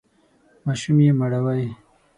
ماشوم یې مړوئ!